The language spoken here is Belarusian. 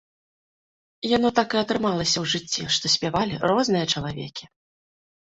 Яно так і атрымалася ў жыцці, што спявалі розныя чалавекі.